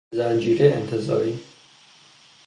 زنجیره انتزاعی